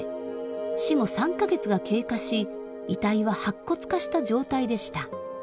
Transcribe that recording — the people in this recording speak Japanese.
死後３か月が経過し遺体は白骨化した状態でした。